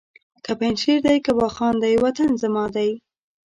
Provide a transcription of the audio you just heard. که پنجشېر دی که واخان دی وطن زما دی!